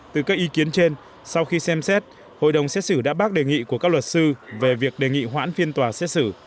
từ các ý kiến trên sau khi xem xét hội đồng xét xử đã bác đề nghị của các luật sư về việc đề nghị hoãn phiên tòa xét xử